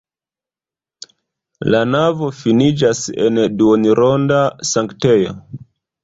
La navo finiĝas en duonronda sanktejo.